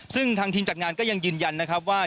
ซึ่งทางทีมจัดงานก็ยังยืนยันนะครับว่า